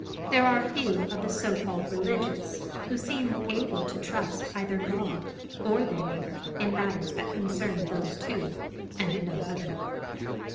There are few of the so called religious who seem able to trust either God or their neighbor in matters that concern those two and no other.